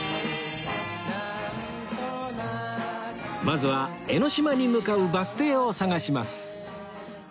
まずは江の島に向かうバス停を探します